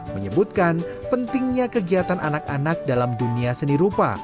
menyebutkan pentingnya kegiatan anak anak dalam dunia seni rupa